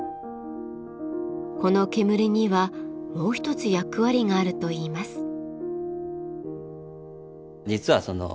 この煙にはもう一つ役割があるといいます。